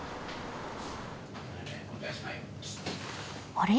あれ？